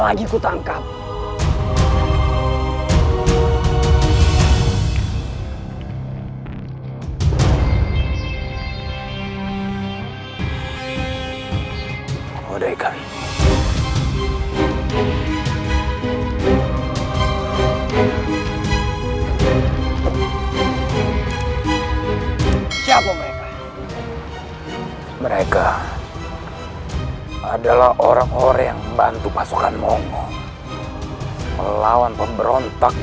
aku tidak mau berurusan dengan wanita